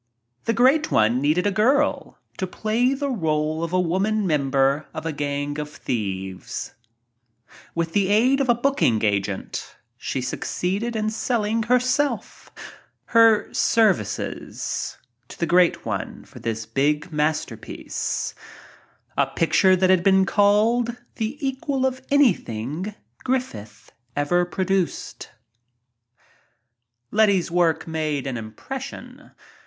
The Great One needed a girl to play the role of a woman member of a gang of thieves. With the aid of a booking agent, she succeeded in selling herself — her services m — to the Great One for his big masterpiece— a pic ture that has been called the equal of anything Grif fith ever Letty's work made an impression.